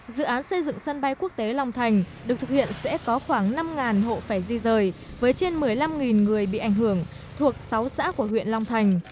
dự án xây dựng sân bay quốc tế long thành được thực hiện sẽ có khoảng năm hộ phải di rời với trên một mươi năm người bị ảnh hưởng thuộc sáu xã của huyện long thành